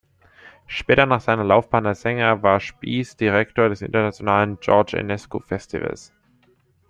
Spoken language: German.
Später nach seiner Laufbahn als Sänger war Spiess Direktor des internationalen George-Enescu-Festivals.